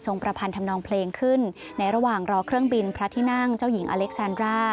ประพันธ์ทำนองเพลงขึ้นในระหว่างรอเครื่องบินพระที่นั่งเจ้าหญิงอเล็กซานร่า